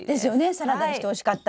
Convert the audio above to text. サラダにしておいしかった。